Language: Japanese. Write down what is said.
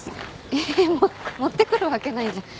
えっ持ってくるわけないじゃん。